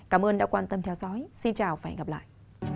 cảm ơn đã quan tâm theo dõi xin chào và hẹn gặp lại